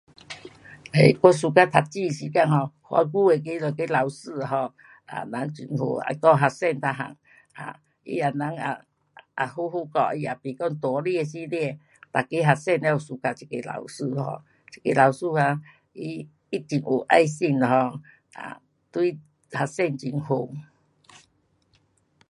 呃，我 suka 读书时间 um 多久那个那个老师啊 um 人很好啊，会教学生每样，啊，他也人也，也好好教，他有不讲大声小声，每个学生全部 suka 这个老师咯，这个老师啊，他，他很有爱心咯，对学生很好。